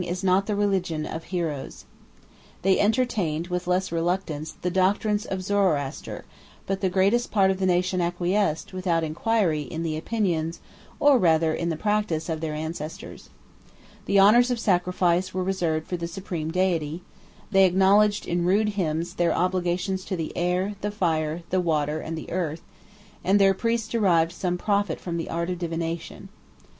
is not the religion of heroes." They entertained, with less reluctance, the doctrines of Zoroaster; but the greatest part of the nation acquiesced, without inquiry, in the opinions, or rather in the practice, of their ancestors. The honors of sacrifice were reserved for the supreme deity; they acknowledged, in rude hymns, their obligations to the air, the fire, the water, and the earth; and their priests derived some profit from the art of divination.